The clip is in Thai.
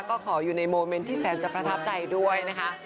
ก็ขออยู่ในโมเมนต์ที่แสนจะประทับใจด้วยนะคะ